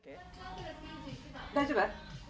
大丈夫？